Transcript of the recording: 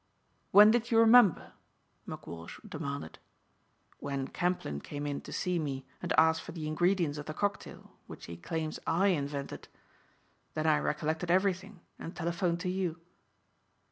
"When did you remember?" McWalsh demanded. "When Camplyn came in to see me and ask for the ingredients of the cocktail which he claims I invented. Then I recollected everything and telephoned to you."